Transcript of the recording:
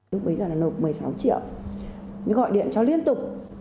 lúc bấy giờ là nộp một mươi sáu triệu mới gọi điện cho liên tục